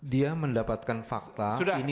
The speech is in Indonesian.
dia mendapatkan fakta inilah materinya